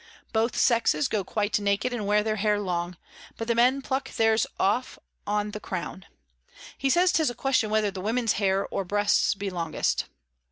Both Sexes go quite naked, and wear their Hair long; but the Men pluck theirs off on the Crown. He says 'tis a question whether the Womens Hair or Breasts be longest.